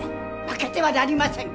負けてはなりません！